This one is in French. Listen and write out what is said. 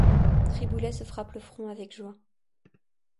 Triboulet se frappe le front avec joie.